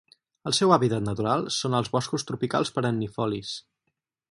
El seu hàbitat natural són els boscos tropicals perennifolis.